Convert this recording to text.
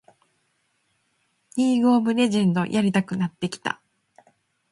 リーグ・オブ・レジェンドやりたくなってきた